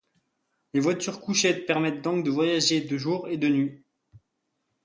Les voitures-couchettes permettent donc de voyager de jour et de nuit.